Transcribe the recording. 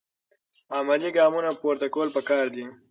عملي ګامونه پورته کول پکار دي.